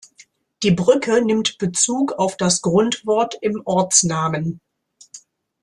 Die Brücke nimmt Bezug auf das Grundwort im Ortsnamen.